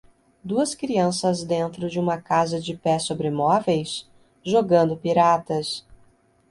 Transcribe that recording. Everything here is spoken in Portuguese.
Duas crianças dentro de uma casa de pé sobre móveis? jogando piratas.